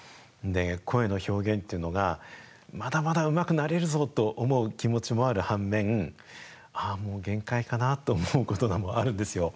声の表現というのが、まだまだうまくなれるぞと思う気持ちもある反面、ああ、もう限界かなと思うこと、もうあるんですよ。